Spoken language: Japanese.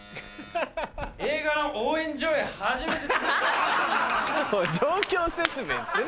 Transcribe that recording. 映画の応援上映初めてで。